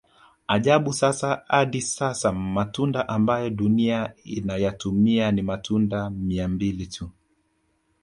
Ajabu sasa hadi sasa matunda ambayo dunia imeyatumia ni matunda mia mbili tu